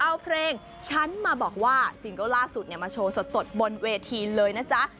เอาเพลงฉันมาบอกว่าซิงเกิลล่าสุดมาโชว์สดบนเวทีเลยนะจ๊ะ